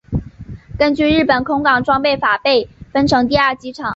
根据日本空港整备法被分成第二种机场。